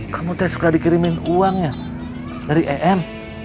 kamu tuh suka dikirimin uangnya dari em